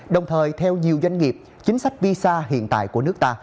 đồng thời theo nhiều doanh nghiệp chính sách visa hiện tại của nước ta